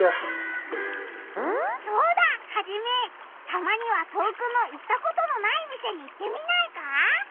たまには遠くの行ったことのない店に行ってみないか？